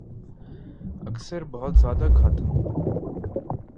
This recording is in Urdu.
اکثر بہت زیادہ کھاتا ہوں